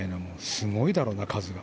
すごいだろうな、数が。